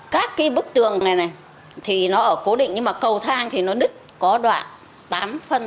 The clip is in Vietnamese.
các cái bức tường này này thì nó ở cố định nhưng mà cầu thang thì nó đứt có đoạn tám phân